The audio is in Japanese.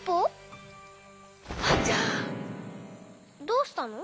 どうしたの？